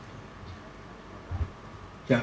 แล้วผมคิดว่าคำว่าโกงเนี่ยอาจจะน้อยไป